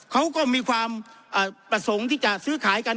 เขาก็มีความประสงค์ที่จะซื้อขายกัน